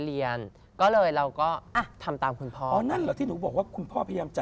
เรียนรดด้วยค่ะ